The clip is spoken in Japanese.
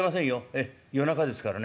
ええ夜中ですからね。